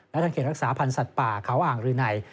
และทางเขตรักษาพันธ์สัตว์ป่าเขาอ่างรืนัย